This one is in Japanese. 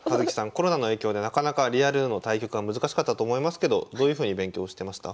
コロナの影響でなかなかリアルの対局は難しかったと思いますけどどういうふうに勉強してました？